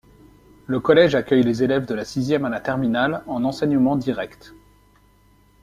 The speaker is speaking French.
Le collège accueille les élèves de la sixième à la terminale en enseignement direct.